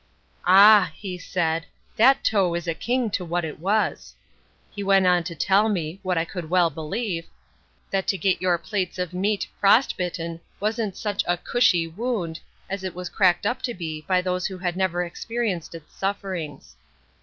"Ah!" he said, "that toe is a king to what it was." He went on to tell me (what I could well believe) that to get your "plates of meat" frostbitten wasn't such a "cushy wound" as it was cracked up to be by those who had never experienced its sufferings.